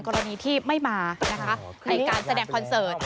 กรณีที่ไม่มานะคะในการแสดงคอนเสิร์ต